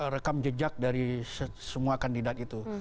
rekam jejak dari semua kandidat itu